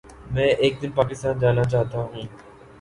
میں ایک دن پاکستان جانا چاہتاہوں